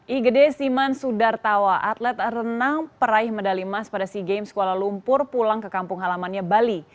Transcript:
igede siman sudartawa atlet renang peraih medali emas pada sea games kuala lumpur pulang ke kampung halamannya bali